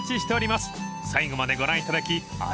［最後までご覧いただきありがとうございました］